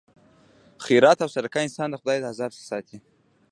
خیرات او صدقه انسان د خدای د عذاب څخه ساتي.